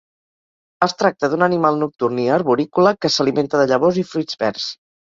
Es tracta d'un animal nocturn i arborícola que s'alimenta de llavors i fruits verds.